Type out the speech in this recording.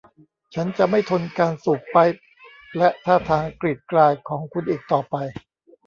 ฉันจะไม่ทนการสูบไปป์และท่าทางกรีดกรายของคุณอีกต่อไป